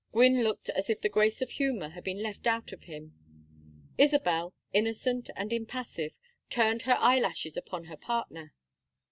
Gwynne looked as if the grace of humor had been left out of him. Isabel, innocent and impassive, turned her eyelashes upon her partner.